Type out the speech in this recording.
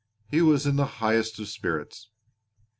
He was in the highest of spirits.